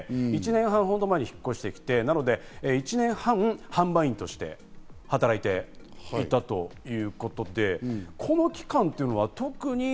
１年半ほど前に引っ越してきて１年半、販売員として働いていたということで、この期間というのは特に。